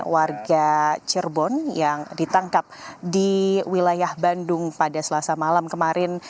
warga cirebon yang ditangkap di wilayah bandung pada selasa malam kemarin